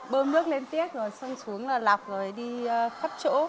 bơm nước lên tiết rồi xong xuống là lọc rồi đi khắp chỗ